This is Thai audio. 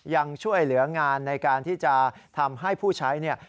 ยังช่วยเหลืองานในการที่จะทำให้ผู้ใช้เนี่ย